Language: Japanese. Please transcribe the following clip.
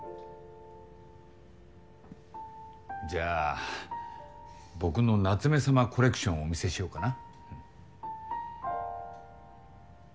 じゃあ僕の夏目さまコレクションをお見せしようかな。